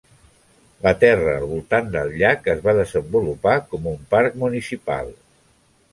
La terra al voltant del llac es va desenvolupar com un parc municipal.